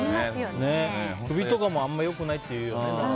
首とかもあまり良くないっていうよね。